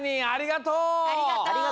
ありがとう！